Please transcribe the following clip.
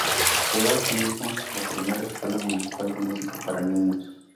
Creó asimismo la primera Escuela Municipal de Música para Niños.